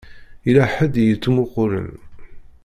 Yella ḥedd i yettmuqqulen.